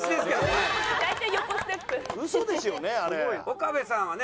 岡部さんはね